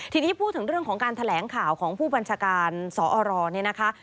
ทีนี้พูดถึงเรื่องของการแถลงข่าวของผู้บัญชาการสอรเนี่ยนะคะ